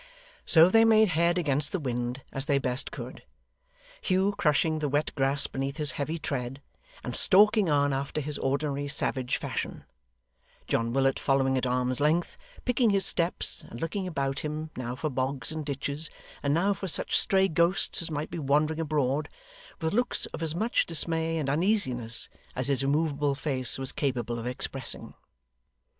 So they made head against the wind as they best could; Hugh crushing the wet grass beneath his heavy tread, and stalking on after his ordinary savage fashion; John Willet following at arm's length, picking his steps, and looking about him, now for bogs and ditches, and now for such stray ghosts as might be wandering abroad, with looks of as much dismay and uneasiness as his immovable face was capable of expressing.